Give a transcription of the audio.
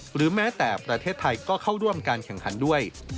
หรือแม้แต่ประเทศไทยก็เข้าร่วมการแข่งขันด้วย